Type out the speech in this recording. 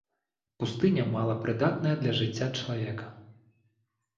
Пустыня, малапрыдатная для жыцця чалавека.